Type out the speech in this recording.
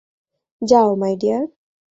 যাও, my deer.